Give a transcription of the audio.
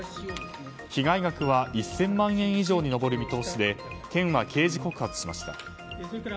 被害額は１０００万円以上に上る見通しで県は刑事告発しました。